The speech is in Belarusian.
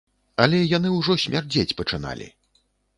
Але яны ўжо смярдзець пачыналі.